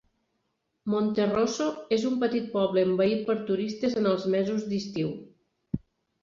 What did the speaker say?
Monterosso és un petit poble envaït per turistes en els mesos d'estiu.